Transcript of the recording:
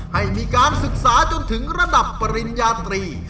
ให้มีการศึกษาจนถึงระดับปริญญาตรี